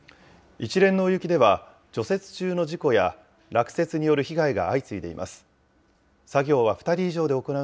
一連の大雪では、除雪中の事故や落雪による被害が相次いでいます。